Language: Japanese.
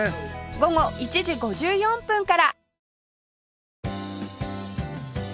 午後１時５４分から